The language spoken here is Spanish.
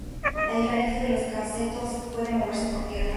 A diferencia de los cetáceos pueden moverse por tierra más o menos torpemente.